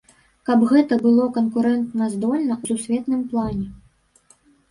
Каб гэта было канкурэнтаздольна ў сусветным плане.